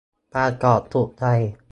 ปลากรอบถูกใจ